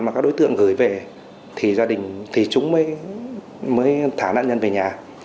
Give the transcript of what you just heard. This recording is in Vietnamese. mà các đối tượng gửi về thì gia đình thì chúng mới thả nạn nhân về nhà